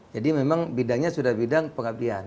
jadi memang bidangnya sudah bidang pengabdian